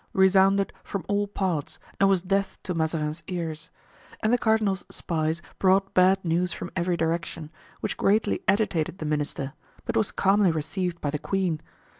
resounded from all parts and was death to Mazarin's ears; and the cardinal's spies brought bad news from every direction, which greatly agitated the minister, but was calmly received by the queen.